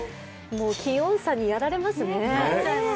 気温差にやられますね。